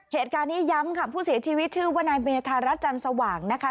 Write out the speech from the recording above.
เหตุการณ์นี้ย้ำค่ะผู้เสียชีวิตชื่อว่านายเมธารัฐจันทร์สว่างนะคะ